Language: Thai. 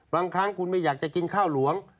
บางครั้งคุณไม่อยากจะกินข้าวหลวง